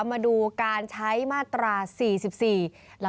มาดูการใช้มาตรา๔๔